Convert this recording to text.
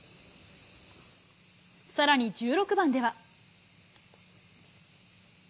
さらに１６番では。